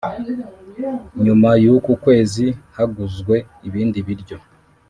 Nyuma y’uku kwezi haguzwe ibindi biryo